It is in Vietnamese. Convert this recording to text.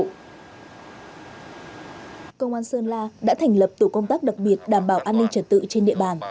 công an sơn la đã thành lập tổ công tác đặc biệt đảm bảo an ninh trật tự trên địa bàn